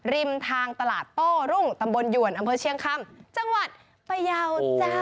ริมทางตลาดโต้รุ่งตำบลหยวนอำเภอเชียงคำจังหวัดพยาวจ้า